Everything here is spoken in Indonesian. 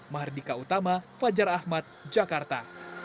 mahardika utama fajar ahmad jakarta